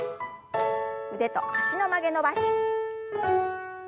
腕と脚の曲げ伸ばし。